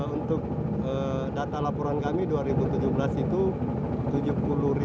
untuk data laporan kami dua ribu tujuh belas itu